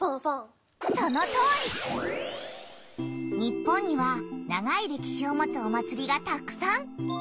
日本には長いれきしを持つお祭りがたくさん！